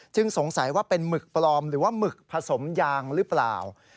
สงสัยว่าเป็นหมึกปลอมหรือว่าหมึกผสมยางหรือเปล่า